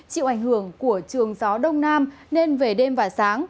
chịu ảnh hưởng của trường gió đông nam nên về đêm và sáng